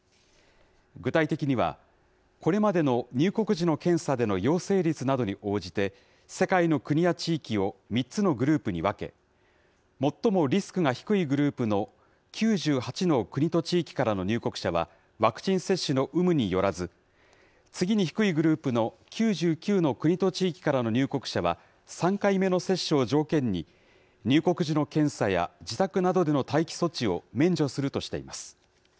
具体的には、これまでの入国時の検査での陽性率などに応じて、世界の国や地域を３つのグループに分け、最もリスクが低いグループの９８の国と地域からの入国者はワクチン接種の有無によらず、次に低いグループの９９の国と地域からの入国者は、３回目の接種を条件に、入国時の検査や自宅などでの待機措置を免除するとしています。